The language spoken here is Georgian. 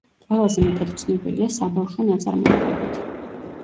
ყველაზე მეტად ცნობილია საბავშვო ნაწარმოებებით.